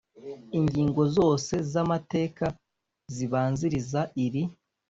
Ingingo zose z amateka zibanziriza iri